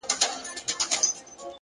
هوډ د نیمګړو امکاناتو بشپړونکی دی،